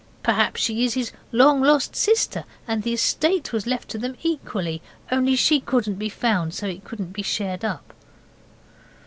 Perhaps she's his long lost sister, and the estate was left to them equally, only she couldn't be found, so it couldn't be shared up.